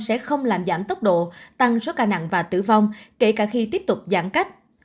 sẽ không làm giảm tốc độ tăng số ca nặng và tử vong kể cả khi tiếp tục giãn cách